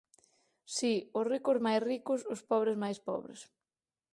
Si, os ricos máis ricos, os pobres máis pobres.